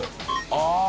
ああ！